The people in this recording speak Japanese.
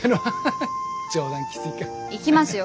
行きますよ